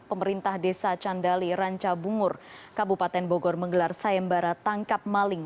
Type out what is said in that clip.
pemerintah desa candali ranca bungur kabupaten bogor menggelar sayembara tangkap maling